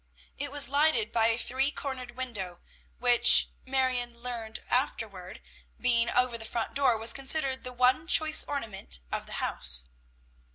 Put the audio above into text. It was lighted by a three cornered window, which Marion learned afterward, being over the front door, was considered the one choice ornament of the house.